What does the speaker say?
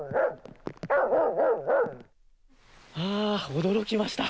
あー、驚きました。